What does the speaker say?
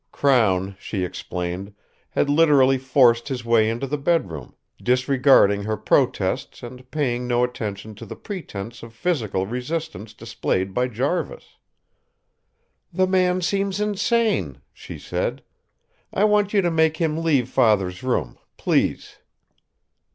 Crown, she explained, had literally forced his way into the bedroom, disregarding her protests and paying no attention to the pretence of physical resistance displayed by Jarvis. "The man seems insane!" she said. "I want you to make him leave father's room please!"